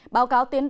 báo cáo tiến độ